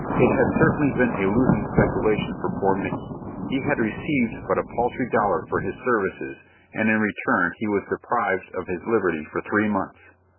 It had certainly been a losing speculation for poor Micky. He had received but a paltry dollar for his services, and in return he was deprived of his liberty for three months.